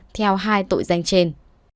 theo hai tội danh trên